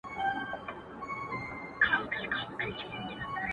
لاس وهل درته په کار دي- پایکوبي درته په کار ده-